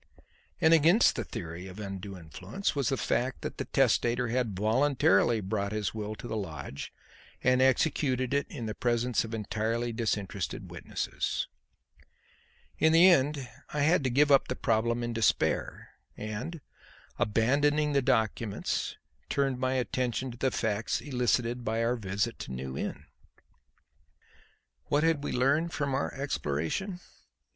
And against the theory of undue influence was the fact that the testator had voluntarily brought his will to the lodge and executed it in the presence of entirely disinterested witnesses. In the end I had to give up the problem in despair, and, abandoning the documents, turned my attention to the facts elicited by our visit to New Inn. What had we learned from our exploration?